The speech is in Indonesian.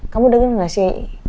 kamu denger gak sih